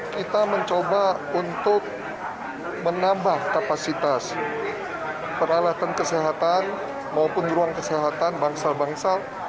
kita mencoba untuk menambah kapasitas peralatan kesehatan maupun ruang kesehatan bangsal bangsal